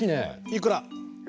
いくら。